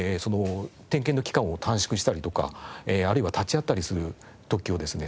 点検の期間を短縮したりとかあるいは立ち会ったりする時をですね